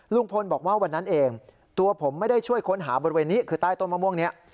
ลุงพลบอกว่าวันนั้นเองตัวผมไม่ได้ช่วยค้นหาบริเวณนี้คือใต้ต้นมะม่วงนี้